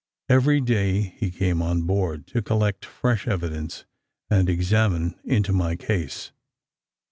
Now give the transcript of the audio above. Every day he came on board, to collect fresh evidence, and examine into my case.